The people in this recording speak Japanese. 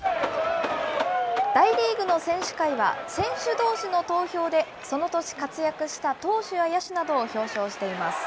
大リーグの選手会は、選手どうしの投票で、その年活躍した投手や野手などを表彰しています。